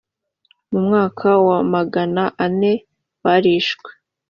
mu mwaka wa magana ane barishwe